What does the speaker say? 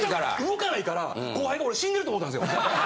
動かないから後輩が俺死んでると思ったんですよ。